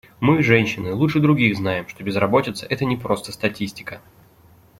Мы, женщины, лучше других знаем, что безработица — это не просто статистика.